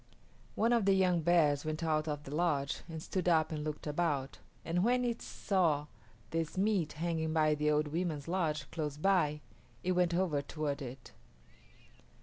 One of the young bears went out of the lodge and stood up and looked about, and when it saw this meat hanging by the old women's lodge close by, it went over toward it.